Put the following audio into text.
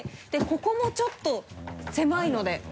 ここもちょっと狭いので。